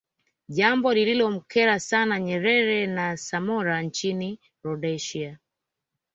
Jambo lililomkera sana Nyerere na Samora Nchini Rhodesia